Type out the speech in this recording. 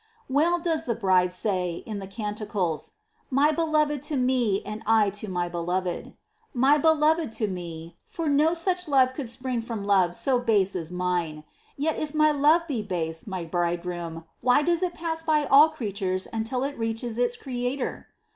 5. Well does the Bride say, in the Canticles :" My Beloved to me and I to my Beloved." '" My Beloved to me," for no such love could spring from love so base as mine. Yet if my love be base, my Bridegroom, why does it pass by all creatures until it reaches its Creator